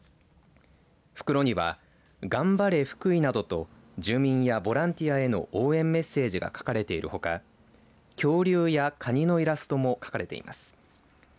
袋には、頑張れ福井などと住民やボランティアへの応援メッセージが書かれているほか恐竜やカニのイラストも描かれています。